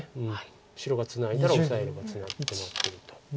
白がツナいだらオサえれば止まっていると。